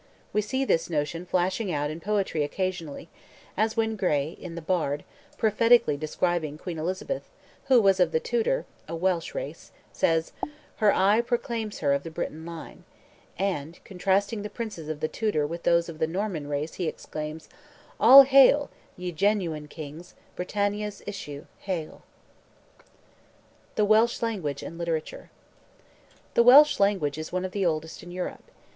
We see this notion flashing out in poetry occasionally, as when Gray, in "The Bard," prophetically describing Queen Elizabeth, who was of the Tudor, a Welsh race, says: "Her eye proclaims her of the Briton line;" and, contrasting the princes of the Tudor with those of the Norman race, he exclaims: "All hail, ye genuine kings, Britannia's issue, hail!" THE WELSH LANGUAGE AND LITERATURE The Welsh language is one of the oldest in Europe.